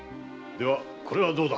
ではこれはどうだ？